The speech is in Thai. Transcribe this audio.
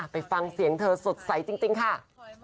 ไปฟังเสียงเธอสดใสจริงค่ะ